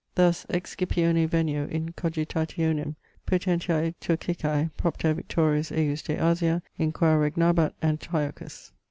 Thus "ex Scipione venio in cogitationem potentiae Turcicae, propter victorias ejus de Asia, in qua regnabat Antiochus."